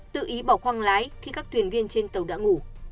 tự ý bỏ khoang lái khi các thuyền viên trên tàu đã ngủ